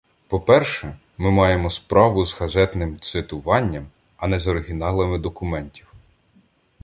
По-перше, ми маємо справу з газетним цитуванням, а не з оригіналами документів.